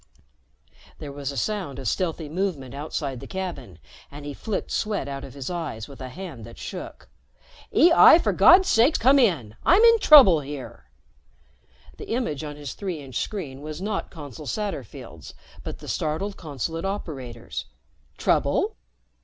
There was a sound of stealthy movement outside the cabin and he flicked sweat out of his eyes with a hand that shook. "EI, for God's sake, come in! I'm in trouble here!" The image on his three inch screen was not Consul Satterfield's but the startled consulate operator's. "Trouble?"